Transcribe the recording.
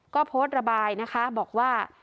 ก็โพสต์ระบายนะคะบอกว่า